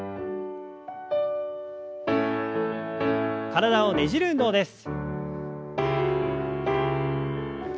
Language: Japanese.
体をねじる運動です。